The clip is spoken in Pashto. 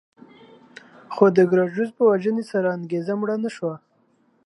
خو د ګراکچوس په وژنې سره انګېزه مړه نه شوه